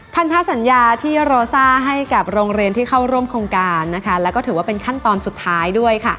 พันธสัญญาที่โรซ่าให้กับโรงเรียนที่เข้าร่วมโครงการนะคะแล้วก็ถือว่าเป็นขั้นตอนสุดท้ายด้วยค่ะ